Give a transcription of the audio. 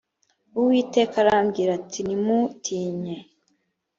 uwiteka arambwira ati ntumutinye